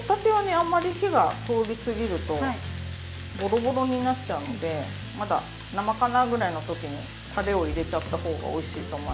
あんまり火が通りすぎるとボロボロになっちゃうのでまだ生かなぐらいのときにたれを入れちゃった方がおいしいと思います。